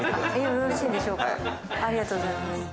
よろしいんでしょうか、ありがとうございます。